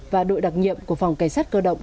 và đội đặc nhiệm của phòng cảnh sát cơ động